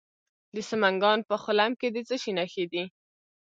د سمنګان په خلم کې د څه شي نښې دي؟